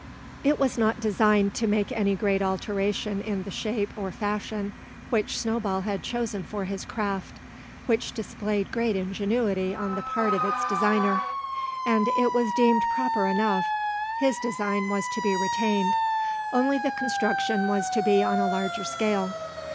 It was not designed to make any great alteration in the shape or fashion which Snowball had chosen for his craft, which displayed great ingenuity on the part of its designer. As it was deemed proper enough, his design was to be retained, only the construction was to be on a larger scale.